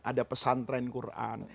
ada pesantren al quran